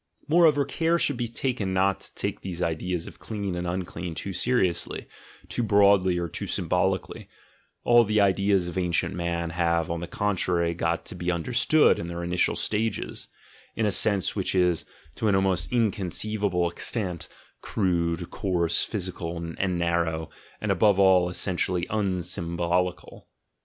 Moreover, care should be taken not to take these ideas of "clean" and "unclean" too seriously, too broadly, or too symbolically: all the ideas of ancient man have, on the contrary, got to be understood in their initial stages, in a sense which is, to an almost incon ceivable extent, crude, coarse, physical, and narrow, and above all essentially unsymbolical.